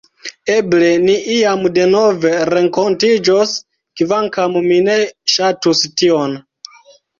Eble ni iam denove renkontiĝos, kvankam mi ne ŝatus tion.